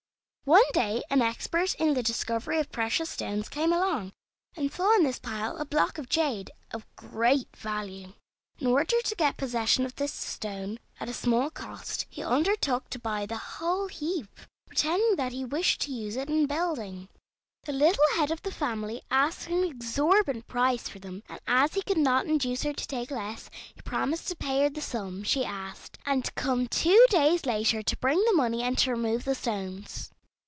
One day an expert in the discovery of precious stones came along, and saw in this pile a block of jade of great value. In order to get possession of this stone at a small cost, he undertook to buy the whole heap, pretending that he wished to use it in building. The little head of the family asked an exorbitant price for them, and, as he could not induce her to take less, he promised to pay her the sum she asked, and to come two days later to bring the money and to remove the stones.